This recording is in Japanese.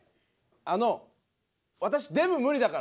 あの私デブ無理だから。